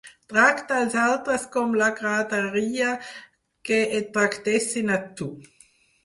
Tracta els altres com t'agradaria que et tractessin a tu.